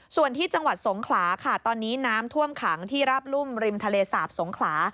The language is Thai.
ส่วนที่จังหวัดสงขลาค่ะตอนนี้น้ำท่วมขังที่ราบรุ่มริมทะเลสาบสงขลา